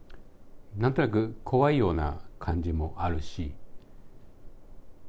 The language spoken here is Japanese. なんとなく怖いような感じもあるし。